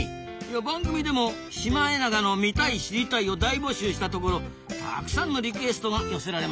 番組でも「シマエナガの見たい・知りたい」を大募集したところたくさんのリクエストが寄せられましたぞ。